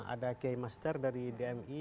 ada kiai master dari dmi